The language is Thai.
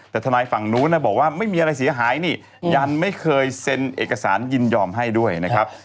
แต่ทนายฝั่งนู้นบอกว่าไม่มีอะไรเสียหายนี่ยันไม่เคยเซ็นเอกสารยินยอมให้ด้วยนะครับ